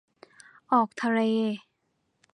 ออกทะเล